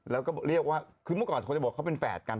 แล้วก็เรียกว่าคือเมื่อก่อนคนจะบอกเขาเป็นแฝดกัน